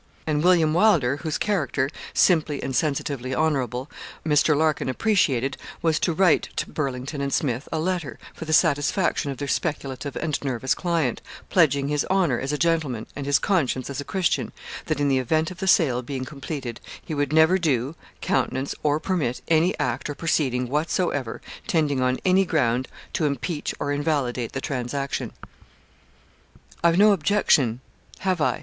And William Wylder, whose character, simply and sensitively honourable, Mr. Larkin appreciated, was to write to Burlington and Smith a letter, for the satisfaction of their speculative and nervous client, pledging his honour, as a gentleman, and his conscience, as a Christian, that in the event of the sale being completed, he would never do, countenance, or permit, any act or proceeding, whatsoever, tending on any ground to impeach or invalidate the transaction. 'I've no objection have I?